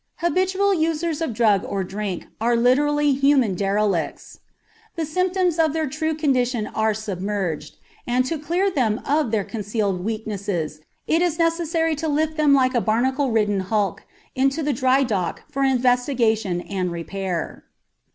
Habitual users of drugs or drink are literally human derelicts. The symptoms of their true condition are submerged, and to clear them of their concealed weaknesses it is necessary to lift them like a barnacle ridden hulk into the dry dock for investigation and repair.